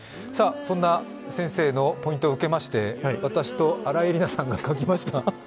そんな先生のポイントを受けまして、私と新井恵理那さんが書きました。